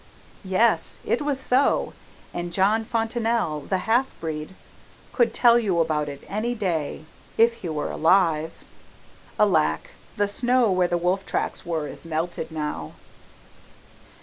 Yes, it was so, and John Fontanelle, the half breed, could tell you about it any day if he were alive. (Alack, the snow where the wolf tracks were, is melted now!)